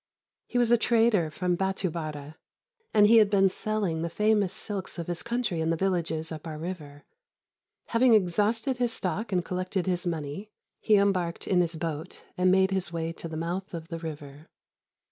He was a trader from Bâtu Bâra, and he had been selling the famous silks of his country in the villages up our river. Having exhausted his stock and collected his money, he embarked in his boat and made his way to the mouth of the river.